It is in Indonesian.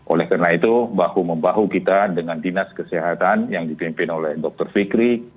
oleh karena itu bahu membahu kita dengan dinas kesehatan yang dipimpin oleh dr fikri